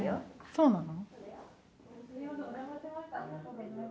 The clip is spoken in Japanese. そうなの？